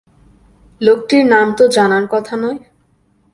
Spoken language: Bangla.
লোকটির নাম তো জানার কথা নয়।